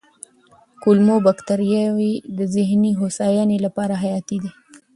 کولمو بکتریاوې د ذهني هوساینې لپاره حیاتي دي.